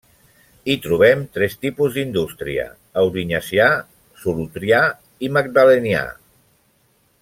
Hi trobem tres tipus d'indústria: aurinyacià, solutrià i magdalenià.